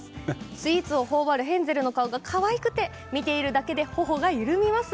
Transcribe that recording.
スイーツをほおばるヘンゼルの顔がかわいくて見ているだけでほおが緩みます。